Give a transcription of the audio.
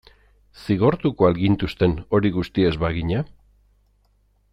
Zigortuko al gintuzten hori guztia ez bagina?